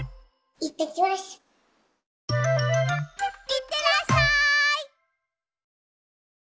いってらっしゃい！